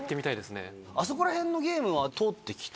あそこら辺のゲームは通ってきた？